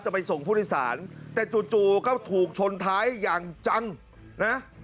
ไปส่งผู้โดยสารแต่จู่ก็ถูกชนท้ายอย่างจังนะ